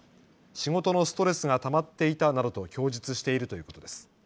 仕事のストレスがたまっていたなどと供述しているということです。